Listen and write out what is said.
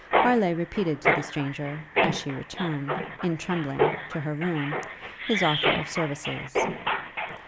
Harleigh repeated to the stranger, as she returned, in trembling, to her room, his offer of services.